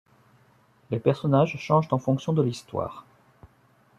Les personnages changent en fonction de l'histoire.